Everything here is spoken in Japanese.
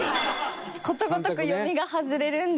ことごとく読みが外れるんですよね。